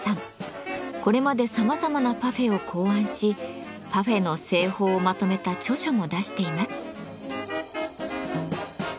これまでさまざまなパフェを考案しパフェの製法をまとめた著書も出しています。